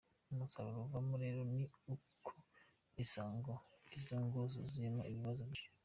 Umusaruro uvamo rero ni uko usanga izo ngo zuzuyemo ibibazo byinshi.